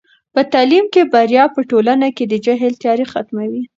په تعلیم کې بریا په ټولنه کې د جهل تیارې ختموي.